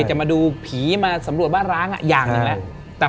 จะมาดูผีมาสำรวจบ้านร้างอ่ะอย่างนึงแหละ